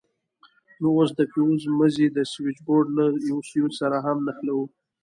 نو اوس د فيوز مزي د سوېچبورډ له يوه سوېچ سره هم نښلوو.